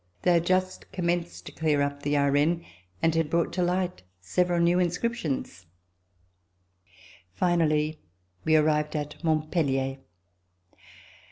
They had just com menced to clear up the Arenes and had brought to light several new inscriptions. Finally we arrived at Montpellier.